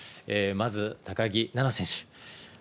まず高木菜那選手。